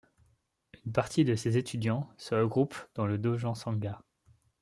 Une partie de ses étudiants se regroupent dans le Dogen Sangha.